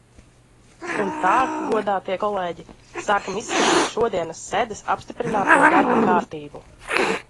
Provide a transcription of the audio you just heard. Un tā, godātie kolēģi, sākam izskatīt šodienas sēdes apstiprināto darba kārtību.